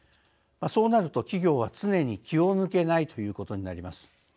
そうなると、企業は常に気を抜けないということになります。